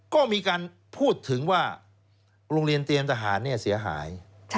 ก็มีการพูดถึงว่าโรงเรียนเตรียมทหารเสียหาย